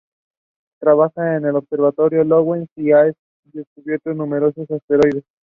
Trabaja en el observatorio Lowell y ha descubierto numerosos asteroides.